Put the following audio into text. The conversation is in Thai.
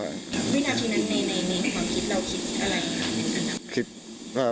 วินาทีนั้นในความคิดเราคิดอะไรคะ